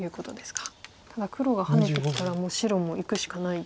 ただ黒がハネてきたら白もいくしかない。